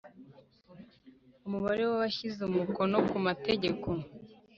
Umubare w abashyize umukono ku mategeko